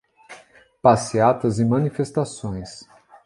Passeatas e manifestações